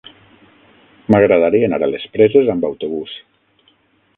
M'agradaria anar a les Preses amb autobús.